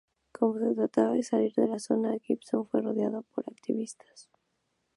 Como se trataba de salir de la zona, Gibson fue rodeado por los activistas.